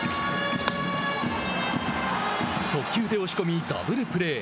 速球で押し込みダブルプレー。